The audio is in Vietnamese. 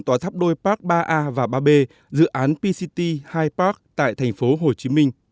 tòa tháp đôi park ba a và ba b dự án pct high park tại tp hcm